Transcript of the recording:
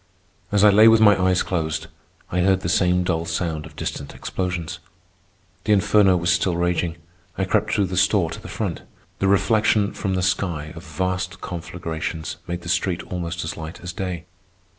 As I lay with my eyes closed, I heard the same dull sound of distant explosions. The inferno was still raging. I crept through the store to the front. The reflection from the sky of vast conflagrations made the street almost as light as day.